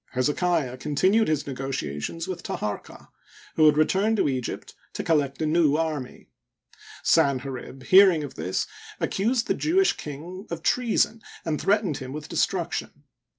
Hezekiah continued his negotiations with Taharqa, who had returned to Egypt to collect a new army. Sanherib. hearing of this, accused the Jewish king of treason and threatened him with de struction.